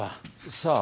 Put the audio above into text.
さあ。